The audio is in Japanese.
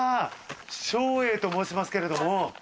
照英と申しますけれども。